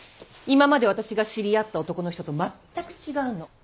今まで私が知り合った男の人と全く違うの。